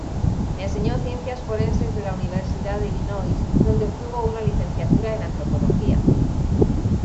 Enseñó ciencias forenses de la Universidad de Illinois, donde obtuvo una licenciatura en antropología.